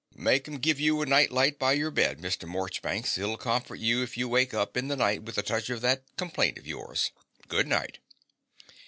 Make 'em give you a night light by your bed, Mr. Morchbanks: it'll comfort you if you wake up in the night with a touch of that complaint of yores. Good night.